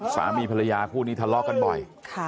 สามีภรรยาคู่นี้ทะเลาะกันบ่อย